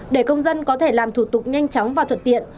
để công dân có thể làm thủ tục nhanh chóng và thuận tiện